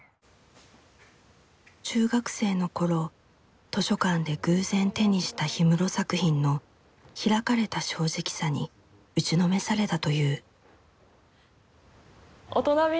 中学生の頃図書館で偶然手にした氷室作品の開かれた正直さに打ちのめされたという。